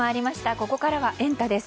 ここからはエンタ！です。